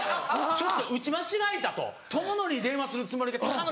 ちょっと打ち間違えたと智則に電話するつもりで孝則。